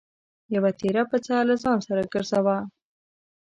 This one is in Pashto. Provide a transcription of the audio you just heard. یوه تېره پڅه له ځان سره ګرځوه.